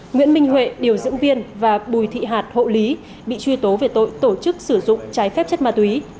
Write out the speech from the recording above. nguyễn minh huệ điều dưỡng viên và bùi thị hạt hộ lý bị truy tố về tội tổ chức sử dụng trái phép chất ma túy